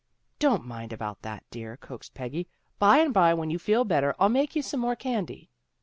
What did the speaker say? " Don't mind about that, dear," coaxed Peggy. " By and by, when you feel better, I'll make you some more candy."